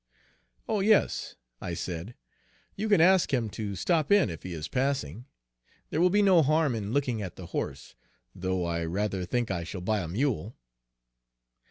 "Oh, yes," I said, "you can ask him to stop in, if he is passing. There will be no harm in looking at the horse, though I rather think I shall buy a mule."